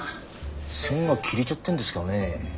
線が切れちゃってんですかね。